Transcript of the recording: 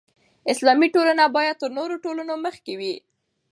اسلامي ټولنه باید تر نورو ټولنو مخکې وي.